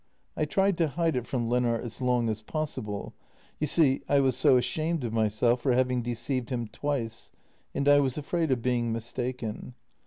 I tried to hide it from Lennart as long as possible — you see, I was so ashamed of myself for having deceived him twice, and I was afraid of being mistaken.